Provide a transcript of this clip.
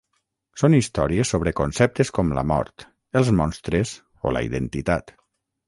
Són històries sobre conceptes com la mort, els monstres o la identitat.